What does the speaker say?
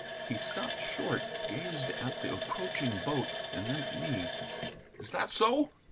He stopped short, gazed at the approaching boat, and then at me. "Is that so?"